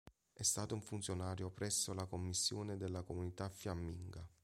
È stato un funzionario presso la Commissione della Comunità fiamminga.